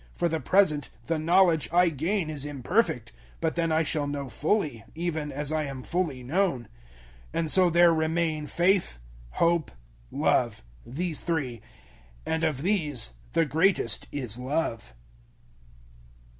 For the present the knowledge I gain is imperfect; but then I shall know fully, even as I am fully known. 013:013 And so there remain Faith, Hope, Love these three; and of these the greatest is Love.